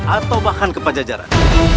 atau bahkan ke pak jajaran